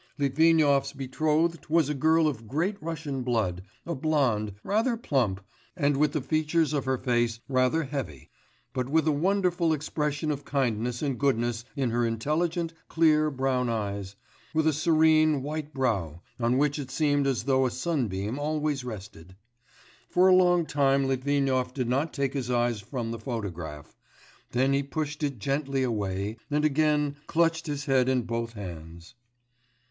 Litvinov's betrothed was a girl of Great Russian blood, a blonde, rather plump, and with the features of her face rather heavy, but with a wonderful expression of kindness and goodness in her intelligent, clear brown eyes, with a serene, white brow, on which it seemed as though a sunbeam always rested. For a long time Litvinov did not take his eyes from the photograph, then he pushed it gently away and again clutched his head in both hands.